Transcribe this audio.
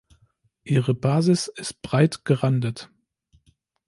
Ihre Basis ist breit gerandet.